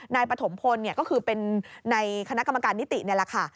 ปฐมพลก็คือเป็นในคณะกรรมการนิตินี่แหละค่ะ